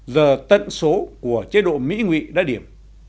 giờ tận số của chế độ mỹ ngụy đã điểm